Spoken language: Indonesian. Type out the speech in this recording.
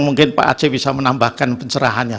mungkin pak aceh bisa menambahkan pencerahannya